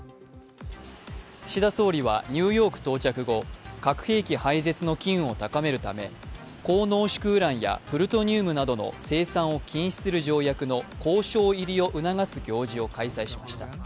岸田総理はニューヨーク到着後核兵器廃絶の機運を高めるため高濃縮ウランやプルトニウムなどの生産を禁止する条約の交渉入りを促す行事を開催しました。